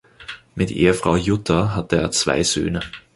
Mit Ehefrau Jutta hat er zwei Söhne.